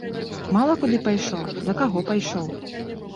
Мала куды пайшоў, да каго пайшоў.